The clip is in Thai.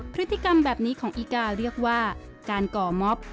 พฤติกรรมแบบนี้ของอีกาเรียกว่าการก่อม็อบ